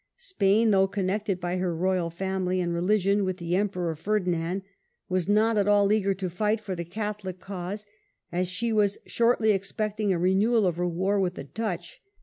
Spain, though connected by her Royal family and religion with the Em peror Ferdinand, was not at all eager to fight for the Catholic cause, as she was shortly expecting a renewal of her war with the Dutch.